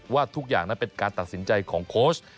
ว่าทุกอย่างนั้นเป็นการตัดสินใจของโค้ช